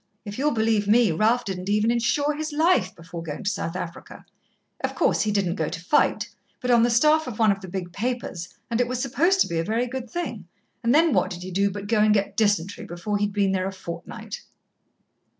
If you'll believe me, Ralph didn't even insure his life, before going to South Africa. Of course, he didn't go to fight, but on the staff of one of the big papers, and it was supposed to be a very good thing, and then what did he do but go and get dysentery before he'd been there a fortnight!"